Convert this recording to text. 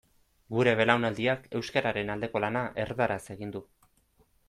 Gure belaunaldiak euskararen aldeko lana erdaraz egin du.